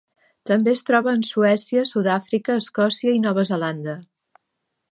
També es troba en Suècia, Sud-àfrica, Escòcia i Nova Zelanda.